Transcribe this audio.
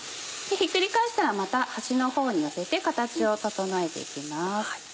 ひっくり返したらまた端のほうに寄せて形を整えて行きます。